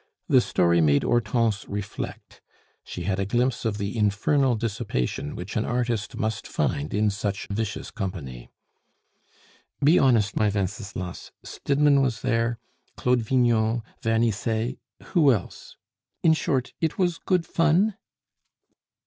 The story made Hortense reflect; she had a glimpse of the infernal dissipation which an artist must find in such vicious company. "Be honest, my Wenceslas; Stidmann was there, Claude Vignon, Vernisset. Who else? In short, it was good fun?"